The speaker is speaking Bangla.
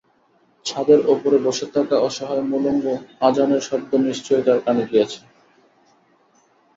ছাদের ওপরে বসে-থাকা অসহায় মুলুঙ্গু আজানের শব্দ নিশ্চয়ই তার কানে গিয়েছে।